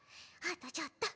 あとちょっと。